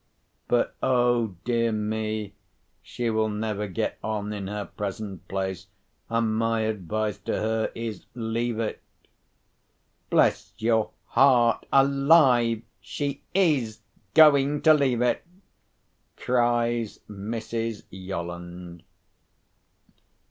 But, oh dear me! she will never get on in her present place; and my advice to her is—leave it." "Bless your heart alive! she is going to leave it!" cries Mrs. Yolland.